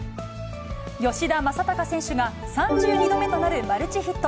吉田正尚選手が３２度目となるマルチヒット。